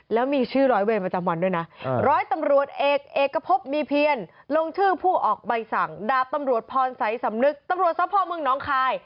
แล้วมีชื่อร้อยเวยนพจำวันด้วยนะ